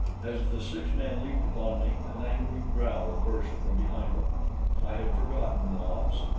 As the six men leaped upon me, an angry growl burst from behind them. I had forgotten Nobs.